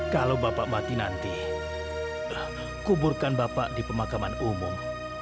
kalau bapak mati nanti kuburkan bapak di pemakaman umum